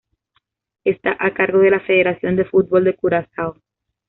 Está a cargo de la Federación de Fútbol de Curazao.